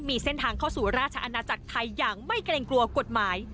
มีเส้นทางเข้าสู่ราชอาณาจักรไทยอย่างไม่เกรงกลัวกฎหมาย